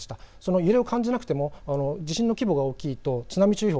揺れを感じなくても地震の規模が大きいと津波注意報